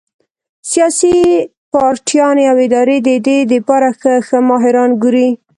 سياسي پارټيانې او ادارې د دې د پاره ښۀ ښۀ ماهران ګوري